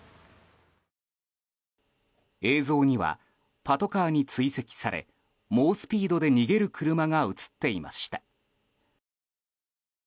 映像にはパトカーに追跡され猛スピードで逃げる車が映っていました。